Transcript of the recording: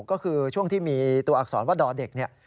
ก็คือช่วงที่มีตัวอักษรว่าดอเด็กเนี่ย